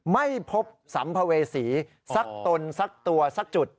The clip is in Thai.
ไม่พบสัมภเวษีสักตนสักตัวสักจุด